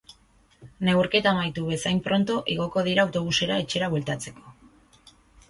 Neurketa amaitu bezain pronto igoko dira autobusera etxera bueltatzeko.